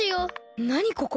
なにここ？